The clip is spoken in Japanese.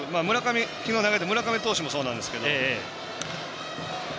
昨日投げた村上投手もそうなんですけど。